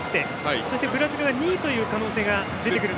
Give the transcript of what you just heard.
そして、ブラジルが２位という可能性が出てくると。